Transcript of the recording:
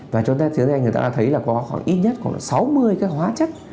và chúng ta thấy là có khoảng ít nhất sáu mươi các hóa chất